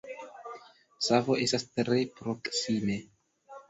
Savo estas tre proksime.